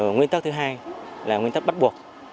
nguyên tắc thứ hai là nguyên tắc bắt buộc